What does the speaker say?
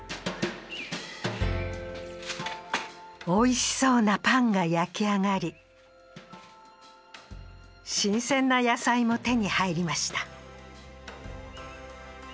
おいしそうなパンが焼き上がり新鮮な野菜も手に入りました